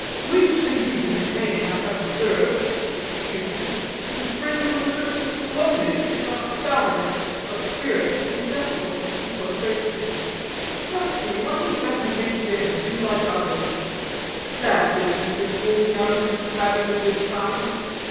Which disease, in the main, I have observed excuse me to spring from a certain lowness, if not sourness, of spirits inseparable from sequestration. Trust me, one had better mix in, and do like others. Sad business, this holding out against having a good time.